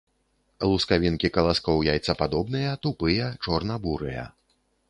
Лускавінкі каласкоў яйцападобныя, тупыя, чорна-бурыя.